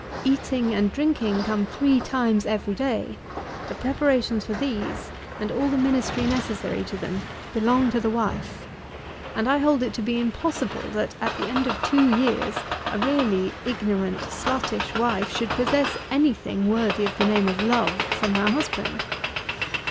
Eating and drinking come three times every day; the preparations for these, and all the ministry necessary to them, belong to the wife; and I hold it to be impossible, that at the end of two years, a really ignorant, sluttish wife should possess any thing worthy of the name of love from her husband.